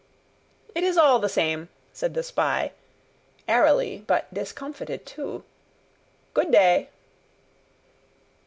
"It is all the same," said the spy, airily, but discomfited too: "good day!"